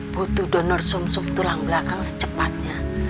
butuh donor sum sum tulang belakang secepatnya